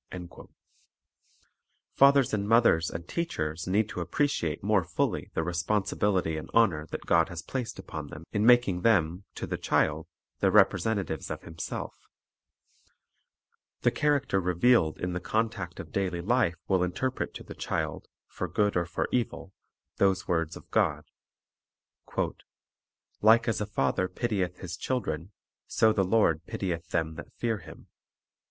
3 Fathers and mothers and teachers need to appreciate more fully the responsibility and honor that God has placed upon them, in making them, to the child, the representatives of Himself. The character revealed in 1 Prov. 30: 5; Ps. 12:6. 2 Prov. 16:31. 3 Lev. iy :32. Deportment 245 the contact of daily life will interpret to the child, for good or for evil, those words of God :— "Like as a father pitieth his children, so the Lord interpreters r of God pitieth them that fear Him."